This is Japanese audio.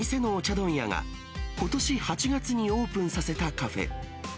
問屋が、ことし８月にオープンさせたカフェ。